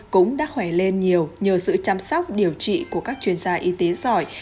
cũng đã khỏe lên nhiều nhờ sự chăm sóc điều trị của các chuyên gia y tế giỏi